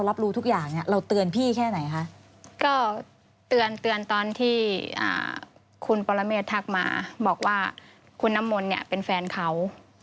มันเตือนตอนที่คุณปรเมษทักมาบอกว่าคุณน้ำมนเนี่ยเป็นแฟนเขา